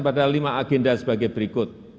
pada lima agenda sebagai berikut